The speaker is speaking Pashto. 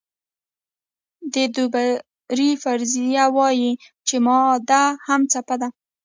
د دوبروی فرضیه وایي چې ماده هم څپه ده.